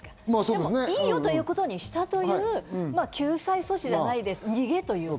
でもいいよということにしたという救済措置というか、逃げというか。